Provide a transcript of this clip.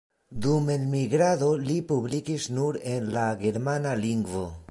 Dum elmigrado li publikis nur en la germana lingvo.